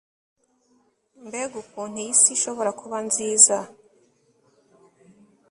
mbega ukuntu iyi si ishobora kuba nziza